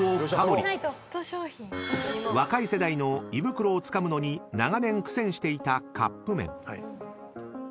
［若い世代の胃袋をつかむのに長年苦戦していたカップ麺］